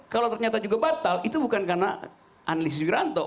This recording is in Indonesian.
kalau ternyata juga batal itu bukan karena analis wiranto